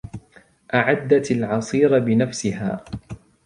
أعدت العصير بنفسها.